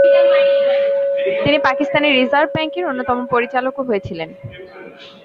তিনি পাকিস্তানের রিজার্ভ ব্যাংকের অন্যতম পরিচালকও হয়েছিলেন।